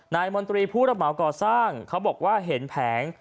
นายมนตรีผู้ระเบาขอสร้างเขาบอกว่าเห็นแผง